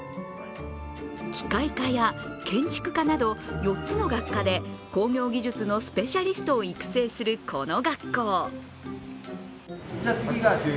機械科や建築科など４つの学科で工業技術のスペシャリストを育成するこの学校。